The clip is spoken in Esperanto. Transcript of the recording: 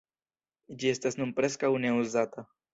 Ĝi estas nun preskaŭ ne uzata.